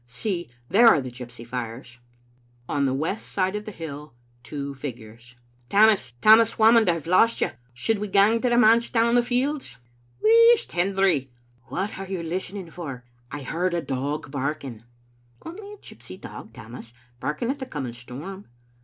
See, there are the gypsy fires." On t?ie west side of the hill — two figures :Tammas, Tammas Whamond, I've lost you. Should we gang to the manse down the fields?" "Wheesht, Hendry!" " What are you listening for?" " I heard a dog barking." " Only a gypsy dog, Tammas, barking at the coming storm."